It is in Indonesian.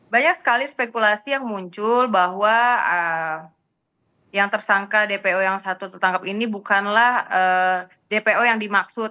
banyak sekali spekulasi yang muncul bahwa yang tersangka dpo yang satu tertangkap ini bukanlah dpo yang dimaksud